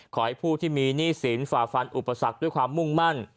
ขอให้ผู้ที่มีหนี้สินฝ่าฟันอุปสรรคด้วยความมุ่งมั่น